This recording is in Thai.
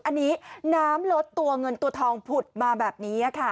อันนี้น้ำลดตัวเงินตัวทองผุดมาแบบนี้ค่ะ